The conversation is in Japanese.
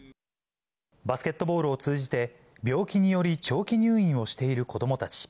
バスケットボールを通じて、病気により、長期入院をしている子どもたち。